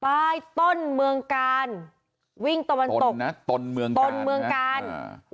ป้ายต้นเมืองการวิ่งตะวันตกต้นนะต้นเมืองการต้นเมืองการอ่า